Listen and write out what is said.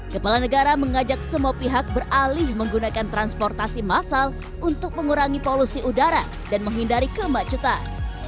kepala negara mengajak semua pihak beralih menggunakan transportasi massal untuk mengurangi polusi udara dan menghindari kemacetan